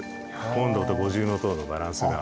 金堂と五重塔のバランスが。